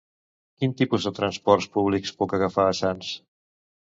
Quins tipus de transports públics puc agafar a Sants?